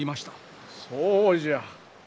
そうじゃ。